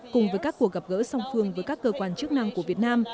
cùng với các cuộc gặp gỡ song phương với các cơ quan chức năng của việt nam